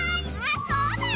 そうだ！